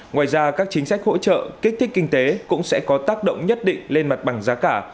ngoài ra các chính sách hỗ trợ kích thích kinh tế cũng sẽ có tác động nhất định lên mặt bằng giá cả